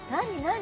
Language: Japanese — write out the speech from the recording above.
何？